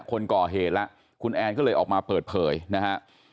คนก่อเหตุแล้วคุณแอนก็เลยออกมาเปิดเผยนะฮะ